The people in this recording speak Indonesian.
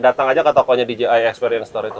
bisa ke tokonya dji experience store itu